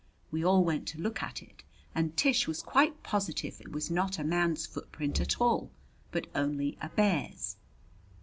We all went to look at it, and Tish was quite positive it was not a man's footprint at all, but only a bear's.